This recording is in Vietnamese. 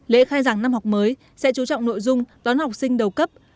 lễ khai giảng năm học mới sẽ chú trọng nội dung đón học sinh đầu cấp